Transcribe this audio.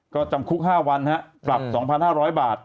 ก็จำคุก๕วันปรับ๒๕๐๐บาท